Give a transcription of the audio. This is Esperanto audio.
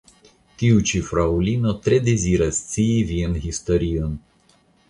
Tiu ĉi fraŭlino tre deziras scii vian historion.